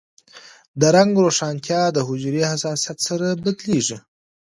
د رنګ روښانتیا د حجرې حساسیت سره بدلېږي.